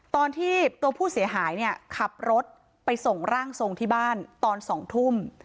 ตอนที่ตัวผู้เสียหายเนี่ยขับรถไปส่งร่างทรงที่บ้านตอน๒ทุ่ม